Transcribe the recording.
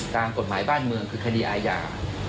ตามกฎหมายบ้านเมืองคือคดีอาญา